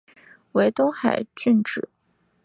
为东海郡治。